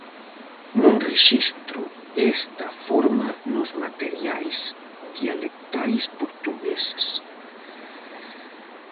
Non rexistro esta forma nos materiais dialectais portugueses.